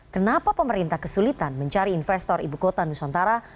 kenapa pemerintah kesulitan mencari investor ibu kota nusantara